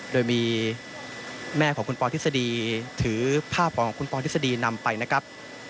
โดยมีแม่ของคุณปอทฤษฎีถือภาพของคุณปอทฤษฎีนำไปนะครับ